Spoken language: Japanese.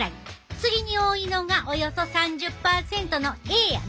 次に多いのがおよそ３０％のＡやな。